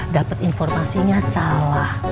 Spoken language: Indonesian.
dapet informasinya salah